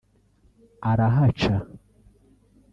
arahaca